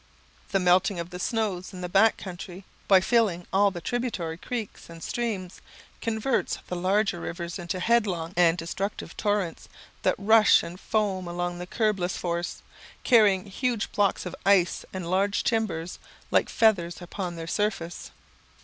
The melting of the snows in the back country, by filling all the tributary creeks and streams, converts the larger rivers into headlong and destructive torrents, that rush and foam along with "curbless force," carrying huge blocks of ice and large timbers, like feathers upon their surface.